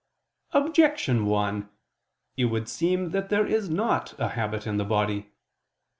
Objection 1: It would seem that there is not a habit in the body.